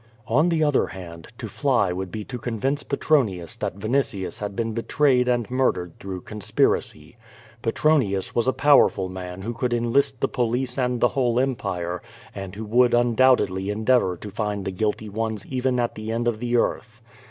On the other hand, to fly would be to convince Petronius that Vinitius had been betrayed and murdered through conspiracy. Petronius was a powerful man who could enlist the police and the whole Empire, and who would undoubt edly endeavor to find the guilty ones evcii at the end of the earth.